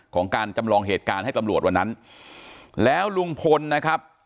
ของการจำลองเหตุการณ์ให้ตำรวจวันนั้นแล้วลุงพลนะครับ